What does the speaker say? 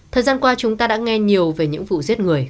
thời gian qua chúng ta đã nghe nhiều về những vụ giết người